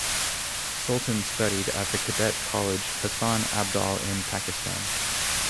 Sultan studied at the Cadet College Hasan Abdal in Pakistan.